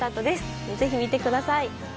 ぜひ見てください！